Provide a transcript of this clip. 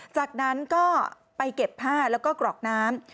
จากนั้นก็ไปเก็บผ้าแล้วก็กรอกน้ำ